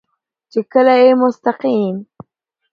چې کله يې مستقيم